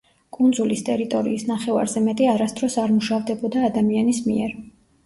კუნძულის ტერიტორიის ნახევარზე მეტი არასდროს არ მუშავდებოდა ადამიანის მიერ.